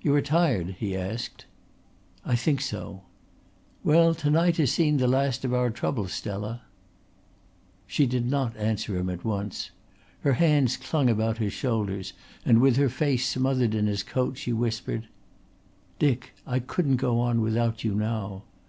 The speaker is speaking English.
"You are tired?" he asked. "I think so." "Well, to night has seen the last of our troubles, Stella." She did not answer him at once. Her hands clung about his shoulders and with her face smothered in his coat she whispered: "Dick, I couldn't go on without you now.